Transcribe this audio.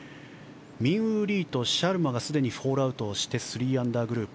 ミンウー・リーとシャルマがすでにホールアウトして３アンダーグループ。